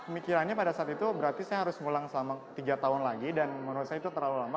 mikirannya pada saat itu berarti saya harus ulang selama tiga tahun lagi dan menurut saya itu terlalu lama